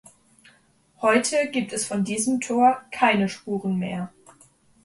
Heute gibt es von diesem Tor keine Spuren mehr.